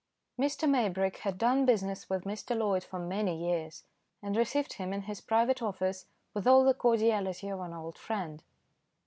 Mr. Maybrick had done business with Mr. Loyd for many years, and received him in his private office with all the cordiality of an old friend.